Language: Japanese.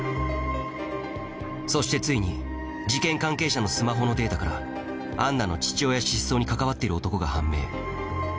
そしてついに事件関係者のスマホのデータからアンナの父親失踪に関わっている男が判明